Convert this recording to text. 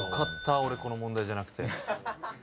俺この問題じゃなくて。